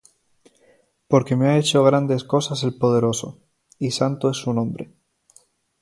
Porque me ha hecho grandes cosas el Poderoso; Y santo es su nombre.